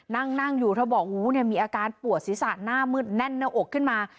นั่งนั่งอยู่เธอบอกหูมีอาการปวดศีรษะหน้ามืดแน่นหน้าอกขึ้นมา